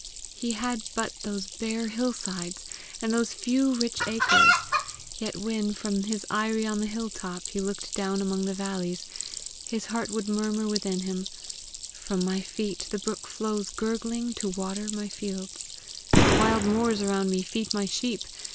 He had but those bare hill sides, and those few rich acres, yet when, from his eyry on the hill top, he looked down among the valleys, his heart would murmur within him, "From my feet the brook flows gurgling to water my fields! The wild moors around me feed my sheep!